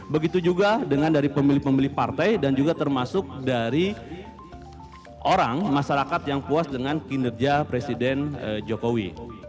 begitu juga dengan dari pemilih pemilih partai dan juga termasuk dari orang masyarakat yang puas dengan kinerja presiden jokowi